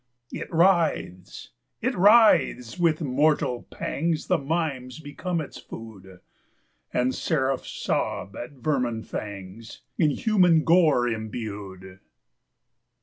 It writhes!—it writhes!—with mortal pangsThe mimes become its food, And seraphs sob at vermin fangsIn human gore imbued.